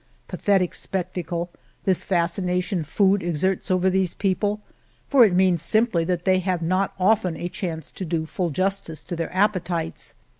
Pa thetic spectacle — this fascination food exerts over these people, for it means simply that they have not often a chance to do full jus tice to their appetites.